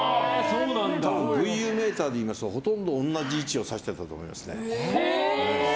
多分、メーターでいいますとほとんど同じ位置を指してたと思いますね。